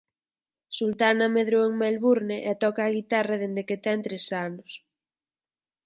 Sultana medrou en Melbourne e toca a guitarra dende que ten tres anos.